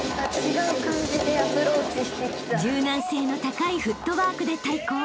［柔軟性の高いフットワークで対抗］